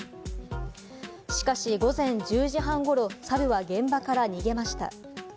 しかし午前１０時半ごろ、サルは現場から逃げました。